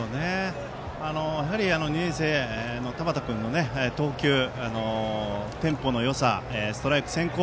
やはり２年生の田端君の投球テンポのよさ、ストライク先行